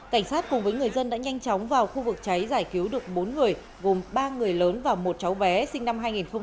cảnh sát cùng với người dân đã nhanh chóng vào khu vực cháy giải cứu được bốn người gồm ba người lớn và một cháu bé sinh năm hai nghìn một mươi ba